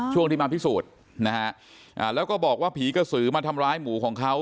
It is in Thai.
ช่วงที่มาพิสูจน์นะฮะแล้วก็บอกว่าผีกระสือมาทำร้ายหมูของเขา